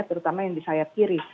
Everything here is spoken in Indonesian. terutama yang di sayap kiri